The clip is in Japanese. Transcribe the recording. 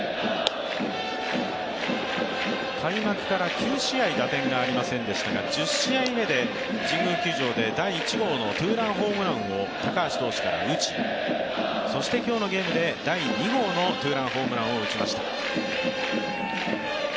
開幕から９試合打点がありませんでしたが１０試合目で神宮球場で第１号のツーランホームランを高橋投手から打ち、そして今日のゲームで第２号のツーランホームランを打ちました。